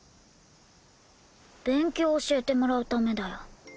勉強教えてもらうためだよ。